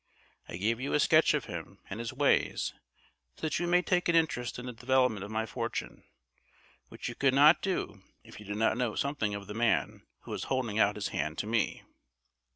I gave you a sketch of him and his ways, so that you may take an interest in the development of my fortune, which you could not do if you did not know something of the man who is holding out his hand to me.